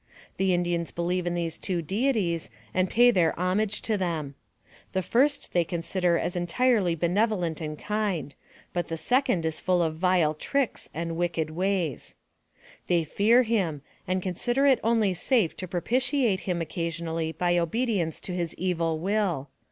The Indians believe in these two deities and pay their homage to them. The first AMONG THE SIOUX INDIANS. 83 they consider as entirely benevolent and kind; but the second is full of vile tricks and wicked ways. They fear him, and consider it only safe to propitiate him occasionally by obedience to his evil will.